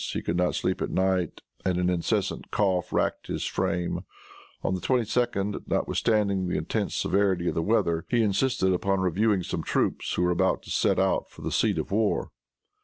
He could not sleep at night, and an incessant cough racked his frame. On the 22d, notwithstanding the intense severity of the weather, he insisted upon reviewing some troops who were about to set out for the seat of war.